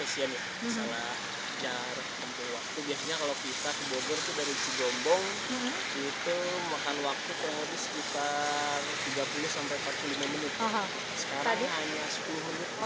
exit di cigombong ya jalur yang di jembatan di bawah jembatan itu memang jalannya belum terlalu rata